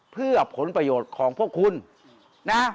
เพื่อผลประโยชน์ของพวกคุณนะ